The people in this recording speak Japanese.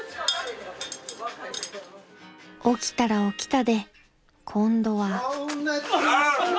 ［起きたら起きたで今度は］